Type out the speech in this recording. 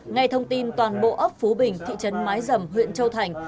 ngay thông tin toàn bộ ấp phú bình thị trấn mái dầm huyện châu thành